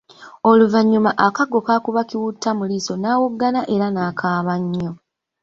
Oluvanyuma akaggo kaakuba Kiwutta mu liiso nawoggana era nakaaba nnyo.